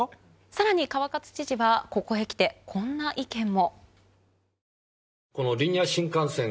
気蕕川勝知事はここへきてこんな意見も。